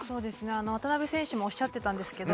渡邊選手もおっしゃっていたんですけど